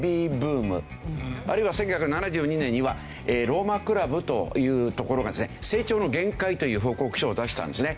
あるいは１９７２年にはローマクラブというところが「成長の限界」という報告書を出したんですね。